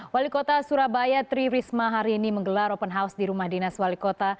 wali kota surabaya tri risma hari ini menggelar open house di rumah dinas wali kota